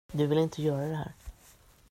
Du vill inte göra det här.